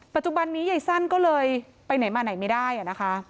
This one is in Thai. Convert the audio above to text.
ปัจจุบันนี้ยายสั้นก็เลยไปไหนมาไหนไม่ได้นะคะ